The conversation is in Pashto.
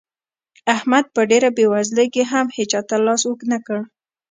احمد په ډېره بېوزلۍ کې هم هيچا ته لاس اوږد نه کړ.